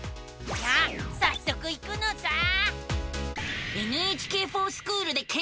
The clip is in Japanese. さあさっそく行くのさあ。